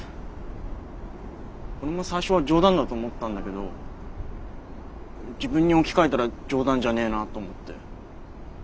俺も最初は冗談だと思ったんだけど自分に置き換えたら冗談じゃねえなと思って。